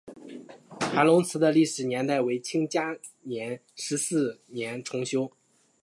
韩泷祠的历史年代为清嘉庆十四年重修。